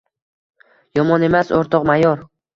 — Yomon emas, o‘rtoq mayor…